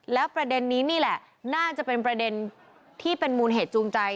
แล้วประเด็นนี้นี่แหละน่าจะเป็นประเด็นที่เป็นมูลเหตุจูงใจ